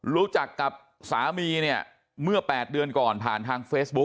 รู้จักกับสามีเนี่ยเมื่อ๘เดือนก่อนผ่านทางเฟซบุ๊ค